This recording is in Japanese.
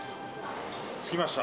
着きました。